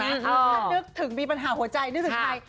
ถ้านึกถึงมีปัญหาหัวใจนึกถึงใคร